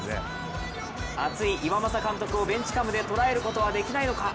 熱い岩政監督をカメラで収めることはできないのか。